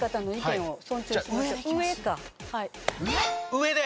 上で。